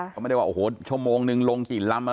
เขาไม่ได้ว่าโอ้โหชั่วโมงนึงลงกี่ลำอะไร